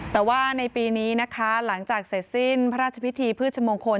แต่ว่าในปีนี้นะคะหลังจากเสร็จสิ้นพระราชพิธีพืชมงคล